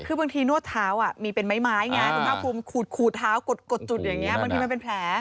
คือบางทีนวดเท้ามีเป็นไม้ไม้ไงคุดเท้ากดจุดอย่างเนี้ยบางทีมันเป็นแผล